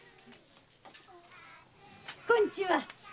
こんちは！